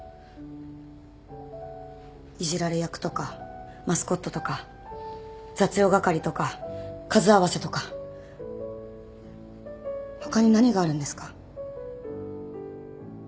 いじられ役とかマスコットとか雑用係とか数合わせとか他に何があるんですか？